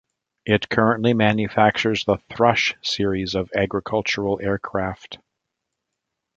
It currently manufactures the Thrush series of agricultural aircraft.